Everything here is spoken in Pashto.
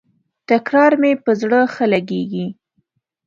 تکرار مي پر زړه ښه لګیږي.